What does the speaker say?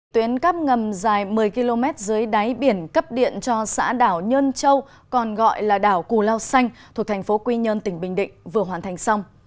tuyến cắp ngầm dài một mươi km dưới đáy biển cấp điện cho xã đảo nhơn châu còn gọi là đảo cù lao xanh thuộc thành phố quy nhơn tỉnh bình định vừa hoàn thành xong